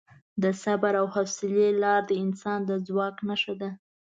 د صبر او حوصلې لار د انسان د ځواک نښه ده.